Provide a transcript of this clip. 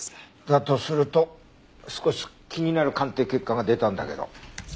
だとすると少し気になる鑑定結果が出たんだけど。